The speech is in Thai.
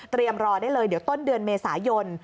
รอได้เลยเดี๋ยวต้นเดือนเมษายน